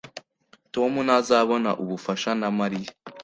tom ntazabona ubufasha na mariya